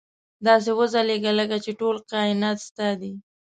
داسې وځلېږه لکه چې ټول کاینات ستا دي.